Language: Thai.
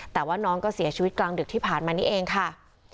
แต่ว่าน้องก็เสียชีวิตกลางดึกที่ผ่านมานี้เองค่ะ